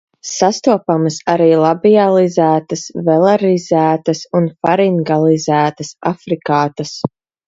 Sastopamas arī labializētas, velarizētas un faringalizētas afrikātas.